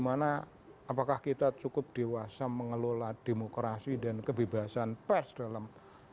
apakah kita cukup dewasa mengelola demokrasi dan kebebasan pers dalam